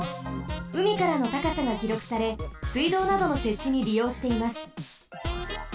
うみからのたかさがきろくされ水道などのせっちにりようしています。